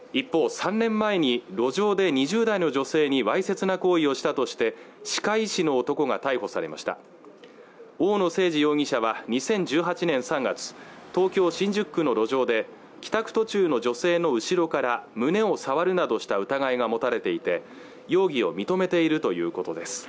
３年前に路上で２０代の女性にわいせつな行為をしたとして歯科医師の男が逮捕されました大野誠二容疑者は２０１８年３月東京新宿区の路上で帰宅途中の女性の後ろから胸を触るなどした疑いが持たれていて容疑を認めているということです